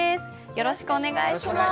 よろしくお願いします。